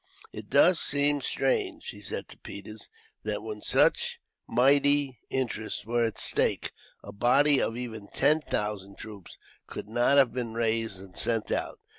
"It does seem strange," he said to Peters, "that when such mighty interests were at stake, a body of even ten thousand troops could not have been raised, and sent out.